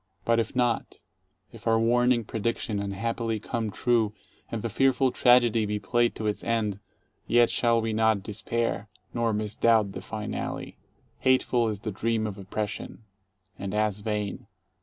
But if not, — if our warning prediction unhappily come true and the fearful tragedy be played to its end, yet shall we not despair, nor misdoubt the finale. Hateful is the Dream of Oppression. And as vain.